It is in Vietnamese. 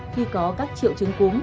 khi có các triệu chứng cúm